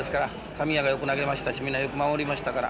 神谷がよく投げましたしみんなよく守りましたから。